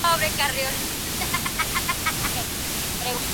Este tipo de planta presentan raíces, tallos y hojas.